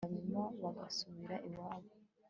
hanyuma bagasubira iwabo